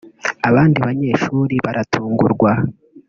Abandi banyeshuri baratungurwa